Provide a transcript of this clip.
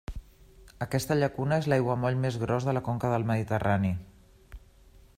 Aquesta llacuna és l'aiguamoll més gros de la conca del Mediterrani.